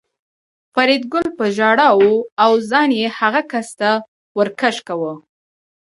فریدګل په ژړا و او ځان یې هغه کس ته ور کش کاوه